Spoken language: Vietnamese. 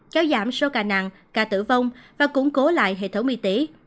kéo giảm số ca nặng ca tử vong và củng cố lại hệ thống y tế